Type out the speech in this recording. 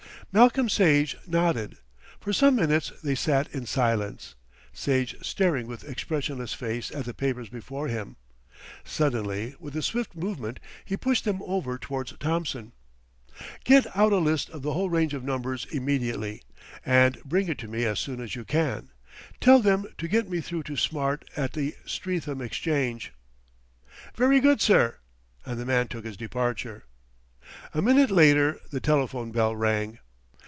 Malcolm Sage nodded. For some minutes they sat in silence, Sage staring with expressionless face at the papers before him. Suddenly with a swift movement he pushed them over towards Thompson. "Get out a list of the whole range of numbers immediately, and bring it to me as soon as you can. Tell them to get me through to Smart at the Streatham Exchange." "Very good, sir;" and the man took his departure. A minute later the telephone bell rang.